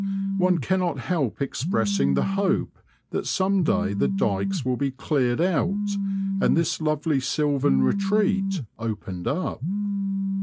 One cannot help ex pressing the hope that some day the dykes will be cleared out, and this lovely sylvan retreat opened up.